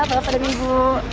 terima kasih banyak bu